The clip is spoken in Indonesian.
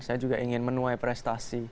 saya juga ingin menuai prestasi